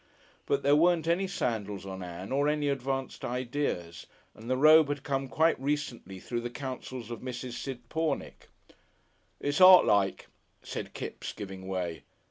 But there weren't any sandals on Ann or any advanced ideas, and the robe had come quite recently through the counsels of Mrs. Sid Pornick. "It's Artlike," said Kipps, giving way.